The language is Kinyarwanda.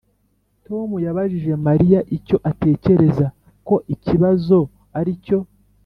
tom yabajije mariya icyo atekereza ko ikibazo aricyo.